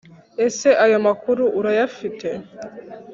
ese ayo makuru urayafite?